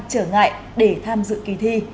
trở ngại để tham dự kỳ thi